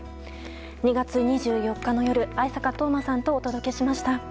２月２４日の夜、逢坂冬馬さんとお届けしました。